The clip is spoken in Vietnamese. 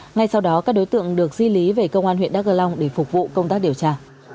ngay sau đó các đối tượng được di lý về công an huyện đắk gờ long để phục vụ công tác điều tra